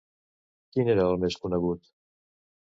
Quin era el més conegut?